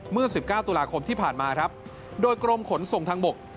เมื่อ๑๙ตุลาคมที่ผ่านมาครับโดยกรมขนส่งทางบก